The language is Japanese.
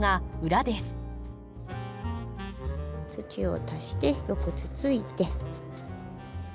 土を足してよくつついて。